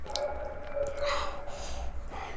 بلا پر بلا واوښته، بلا بوڅ کوني را واوښته.